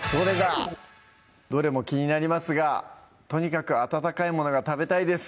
どれも気になりますがとにかく温かいものが食べたいです